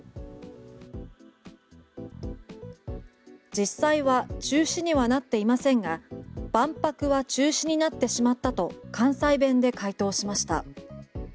実際は中止にはなっていませんが万博は中止になってしまったと関西弁で回答しました。